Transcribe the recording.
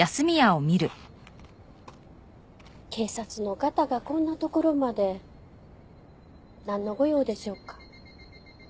警察のお方がこんな所までなんのご用でしょうか？